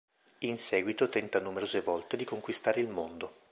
In seguito tenta numerose volte di conquistare il mondo.